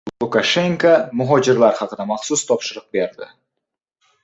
Lukashenko muhojirlar haqida maxsus topshiriq berdi